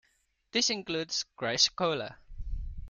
This includes chrysocolla.